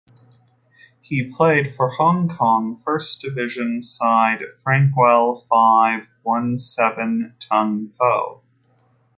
He played for Hong Kong First Division side Frankwell, Five-One-Seven, Tung Po.